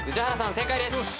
正解です。